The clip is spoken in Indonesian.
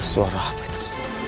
suara apa itu